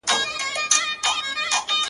څو شېبو هوښیاری سره ساه ورکړي -